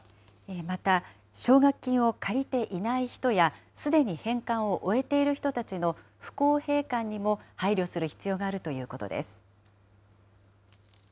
また、奨学金を借りていない人や、すでに返還を終えている人たちの不公平感にも配慮する必要があるということです。